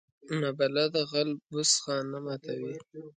نابلده غل بوس خانه ماتوي